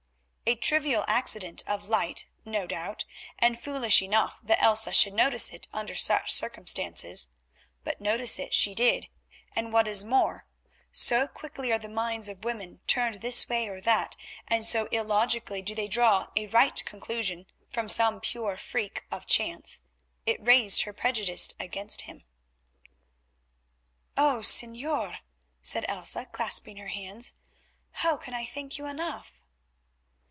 A trivial accident of light, no doubt, and foolish enough that Elsa should notice it under such circumstances. But notice it she did, and what is more, so quickly are the minds of women turned this way or that, and so illogically do they draw a right conclusion from some pure freak of chance, it raised her prejudice against him. "Oh! Señor," said Elsa, clasping her hands, "how can I thank you enough?"